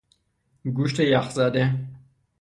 گوشت یخ زده